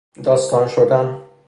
داستان شدن